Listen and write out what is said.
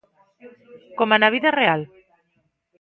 Como na vida real.